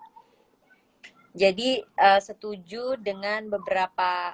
hai jadi setuju dengan beberapa